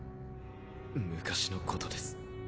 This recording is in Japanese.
昔のことです。